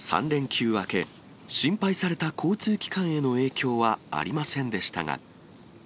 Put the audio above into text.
３連休明け、心配された交通機関への影響はありませんでしたが。